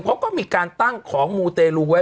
เขาก็มีการตั้งของมูเตรลูไว้